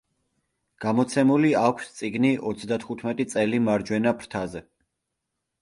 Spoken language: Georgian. გამოცემული აქვს წიგნი „ოცდათხუთმეტი წელი მარჯვენა ფრთაზე“.